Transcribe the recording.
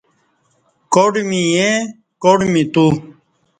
کاٹ می یں کاٹ می تو